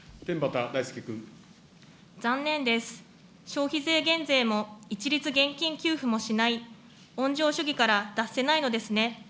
消費税減税も一律現金給付もしない、温情主義から脱せないのですね。